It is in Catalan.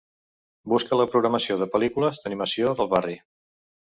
Busca la programació de pel·lícules d'animació del barri.